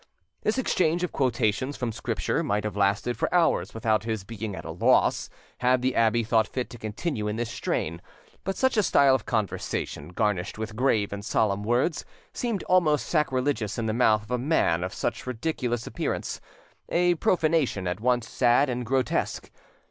This exchange of quotations from Scripture might have lasted for hours without his being at a loss, had the abbe thought fit to continue in this strain; but such a style of conversation, garnished with grave and solemn words, seemed almost sacrilegious in the mouth of a man of such ridiculous appearance—a profanation at once sad and grotesque.